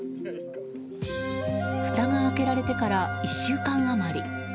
ふたが開けられてから１週間余り。